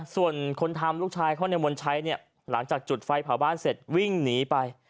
ส่วนคนทำลูกชายเขาในมนชัยเนี่ยหลังจากจุดไฟเผาบ้านเสร็จวิ่งหนีไป